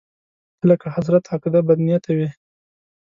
ته لکه حسرت، عقده، بدنيته وې